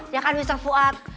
ya kan mister fuad